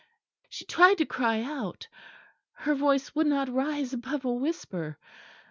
She tried to cry out, her voice would not rise above a whisper.